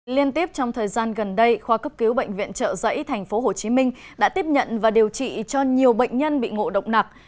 liên tiếp trong thời gian gần đây khoa cấp cứu bệnh viện trợ giấy tp hcm đã tiếp nhận và điều trị cho nhiều bệnh nhân bị ngộ độc nạc